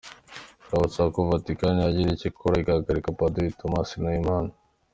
twasabagako Vatican yagira icyo ikora igahagarika Padiri Thomas Nahimana.